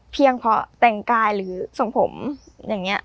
เพียงเพราะแต่งกายหรือส่งผมอย่างนี้